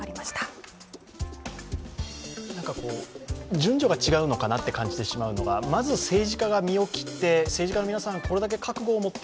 順序が違うのかなと感じてしまうのが、まず政治家が身を切って、政治家の皆さんがこれだけ覚悟を持って